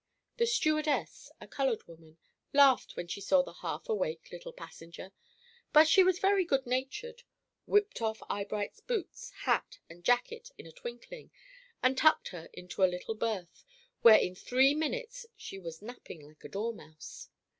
The stewardess a colored woman laughed when she saw the half awake little passenger; but she was very good natured, whipped off Eyebright's boots, hat, and jacket, in a twinkling, and tucked her into a little berth, where in three minutes she was napping like a dormouse.